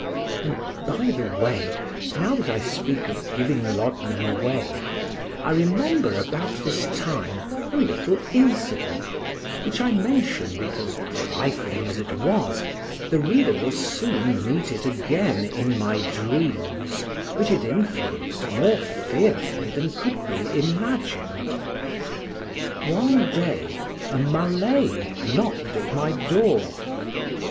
And, by the way, now that I speak of giving laudanum away, I remember about this time a little incident, which I mention because, trifling as it was, the reader will soon meet it again in my dreams, which it influenced more fearfully than could be imagined. One day a Malay knocked at my door.